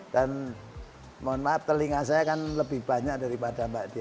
dan mohon maaf telinga saya kan lebih banyak daripada mbak esang